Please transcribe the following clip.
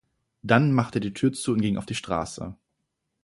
Dann machte er die Tür zu und ging auf die Straße.